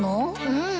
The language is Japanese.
うん。